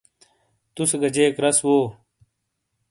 تُوسے گا جیک رَس وو۔